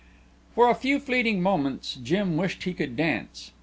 For a few fleeting moments Jim wished he could dance.